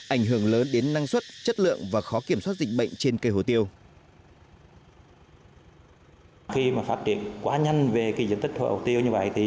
ảnh hưởng lớn đến năng suất chất lượng và khó kiểm soát dịch bệnh trên cây hồ tiêu